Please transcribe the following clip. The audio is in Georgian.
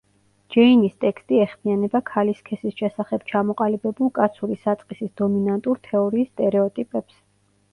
ჯეინის ტექსტი ეხმიანება ქალის სქესის შესახებ ჩამოყალიბებულ კაცური საწყისის დომინანტურ თეორიის სტერეოტიპებს.